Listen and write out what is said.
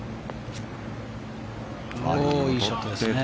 いいショットですね。